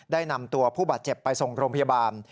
ได้นำตัวผู้บาดเจ็บไปส่งโรงพยาบาล